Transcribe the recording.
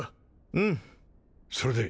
うんそれで？